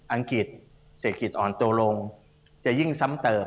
อังกฤษเศรษฐกิจอ่อนตัวลงจะยิ่งซ้ำเติม